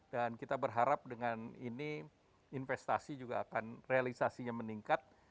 dan kita berharap dengan ini investasi juga akan realisasinya meningkat